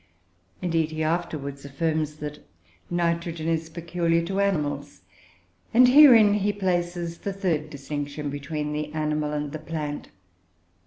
Indeed, he afterwards affirms that nitrogen is peculiar to animals; and herein he places the third distinction between the animal and the plant.